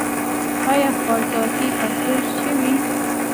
آیا خوارځواکي کنټرول شوې؟